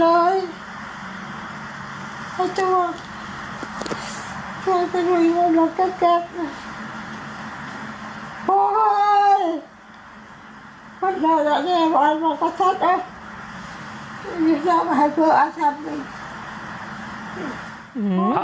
ลูกสาวจากนครปฐมร้องเรียนหมอปลาช่วยที่แม่เธอนะแต่มีอาการแปลกในทุกวันพระ